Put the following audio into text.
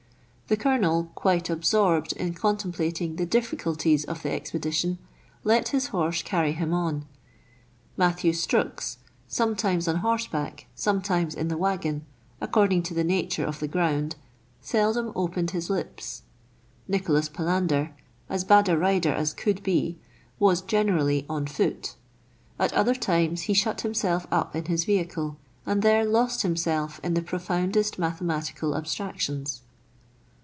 The Colonel, quite absorbed in con templating the difficulties of the expedition, let his horse carry him on. Matthew Strux, sometimes on horseback, sometimes in the waggon, according to the nature of the ground, seldom opened his lips. Nicholas Palander, as bad a rider as could be, was generally on foot ; at other times he shut himself up in his vehicle, and there lost himself in the profoundest mathematical abstractions.